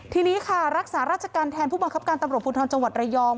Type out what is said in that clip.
ทีนี้ค่ะรักษาราชการแทนผู้บังคับการตำรวจภูทรจังหวัดระยอง